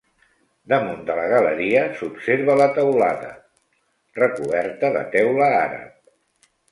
Damunt de la galeria s'observa la teulada, recoberta de teula àrab.